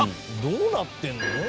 「どうなってるの？」